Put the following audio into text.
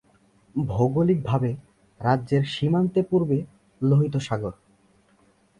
ভৌগোলিকভাবে, রাজ্যের সীমান্তে পূর্বে, লোহিত সাগর।